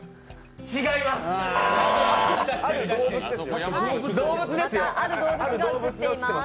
違います！